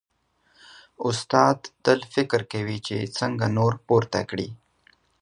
استاد تل فکر کوي چې څنګه نور پورته کړي.